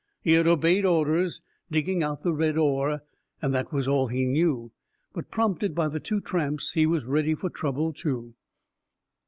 He had obeyed orders, digging out the red ore, and that was all he knew. But prompted by the two tramps, he was ready for trouble, too.